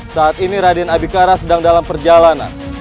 saat ini raden abikara sedang dalam perjalanan